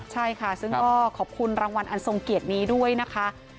ใช่ค่ะซึ่งก็ขอบคุณรางวัลอันทรงเกียรตินี้ด้วยนะคะ